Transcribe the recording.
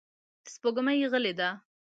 سپوږمۍ غلې ده.